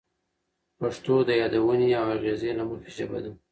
پښتو د یادونې او اغیزې له مخې ژبه ده.